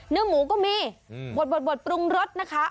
เนื้อหมูก็มีบดปรุงรสนะคะ